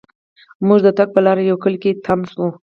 مونږ د تګ پر لار یوه کلي کې تم شوو.